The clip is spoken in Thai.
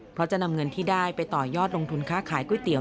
เพราะจะนำเงินที่ได้ไปต่อยอดลงทุนค้าขายก๋วยเตี๋